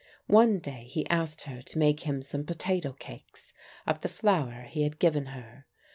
One day he asked her to make him some potato cakes of the flour he had given her.